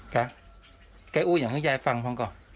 แกแกอู้อย่างที่ยายฟังพ่องเกาะ